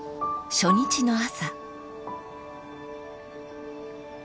［初日の朝］